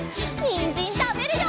にんじんたべるよ！